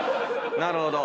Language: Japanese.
なるほど。